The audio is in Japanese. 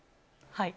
はい。